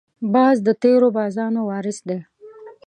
باز د تېرو بازانو وارث دی